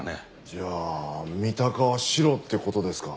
じゃあ三鷹はシロって事ですか。